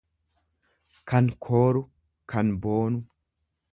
kan kooru, kan boonu.